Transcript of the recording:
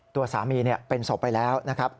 ตัวสามีเป็นศพไปแล้วนะครับ